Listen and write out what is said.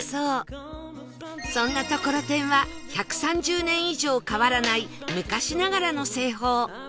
そんなトコロテンは１３０年以上変わらない昔ながらの製法